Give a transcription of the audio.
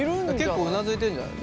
結構うなずいてるんじゃない。